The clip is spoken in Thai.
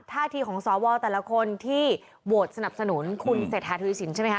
ท่าทีของสวแต่ละคนที่โหวตสนับสนุนคุณเศรษฐาทวีสินใช่ไหมค